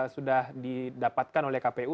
sudah didapatkan oleh kpu